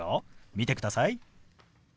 見てください。